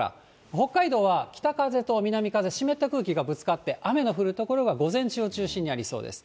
北海道は北風と南風、湿った空気がぶつかって雨の降る所が午前中を中心にありそうです。